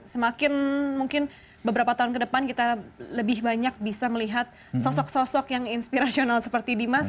semakin mungkin beberapa tahun ke depan kita lebih banyak bisa melihat sosok sosok yang inspirasional seperti dimas